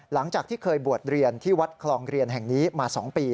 หลังจากที่เคยบวชเรียนที่วัดคลองเรียนแห่งนี้มา๒ปี